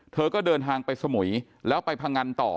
เธอก็เดินทางไปสมุยแล้วไปพังงันต่อ